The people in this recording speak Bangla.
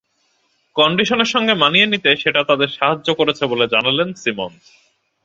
কন্ডিশনের সঙ্গে মানিয়ে নিতে সেটা তাদের সাহায্য করেছে বলে জানালেন সিমন্স।